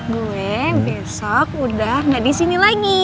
gue besok udah gak disini lagi